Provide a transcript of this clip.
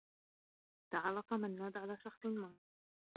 تعرّف منّاد على شخص ما.